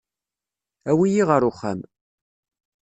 Awi-iyi ɣer uxxam.